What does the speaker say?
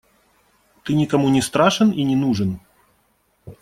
Ты никому не страшен и не нужен.